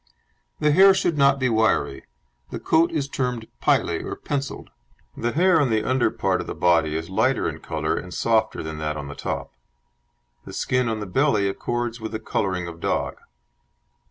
The hair should not be wiry; the coat is termed pily or pencilled. The hair on the under part of the body is lighter in colour and softer than that on the top. The skin on the belly accords with the colour of dog.